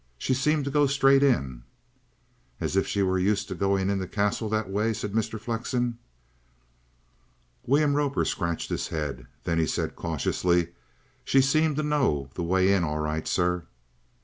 She seemed to go straight in." "As if she were used to going into the Castle that way?" said Mr. Flexen. William Roper scratched his head. Then he said cautiously: "She seemed to know that way in all right, sir."